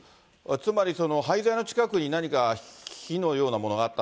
つまり廃材の近くに何か火のようなものがあった。